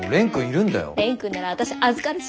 蓮くんなら私預かるし。